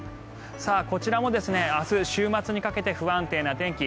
こちらも明日、週末にかけて不安定な天気。